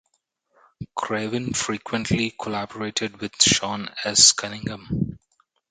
Craven frequently collaborated with Sean S. Cunningham.